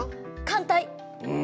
寒帯。